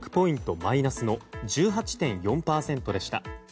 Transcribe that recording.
マイナスの１８．４％でした。